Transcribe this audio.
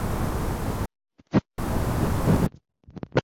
两边月台间则以行人天桥连接。